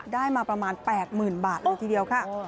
ได้มาประมาณ๘๐๐๐บาทเลยทีเดียวค่ะ